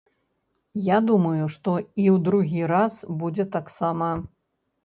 Я думаю, што і ў другі раз будзе так сама.